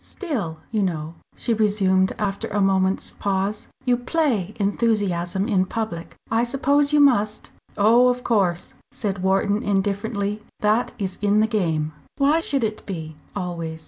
"Still, you know," she resumed after a moment's pause "you play enthusiasm in public I suppose you must." "Oh! of course," said Wharton, indifferently. "That is in the game." "Why should it be always?